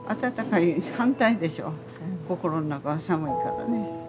心の中は寒いからね。